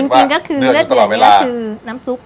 จริงก็คือเลือดเหนือตลอดเวลาน้ำซุป